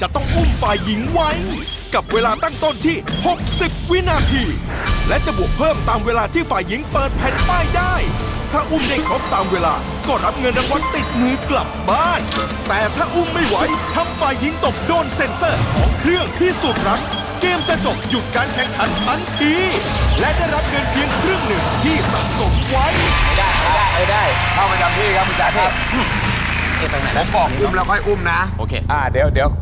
ต้องอุ้มฝ่ายหญิงไว้กับเวลาตั้งต้นที่หกสิบวินาทีและจะบวกเพิ่มตามเวลาที่ฝ่ายหญิงเปิดแผ่นป้ายได้ถ้าอุ้มได้ครบตามเวลาก็รับเงินรางวัลติดมือกลับบ้านแต่ถ้าอุ้มไม่ไหวถ้าฝ่ายหญิงตกโดนเซ็นเซอร์ของเครื่องที่สุดรั้งเกมจะจบหยุดการแข่งทันทันทีและได้รับเงินเพียงครึ่ง